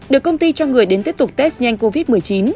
được công ty cho người đến tiếp tục test nhanh covid một mươi chín